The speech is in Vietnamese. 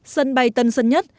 sân bay tân sơn nhất